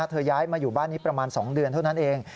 ย้ายมาอยู่บ้านนี้ประมาณ๒เดือนเท่านั้นเอง